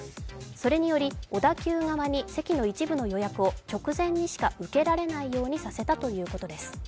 それにより小田急側に席の一部の予約を直前にしか受けられないようにしたということです。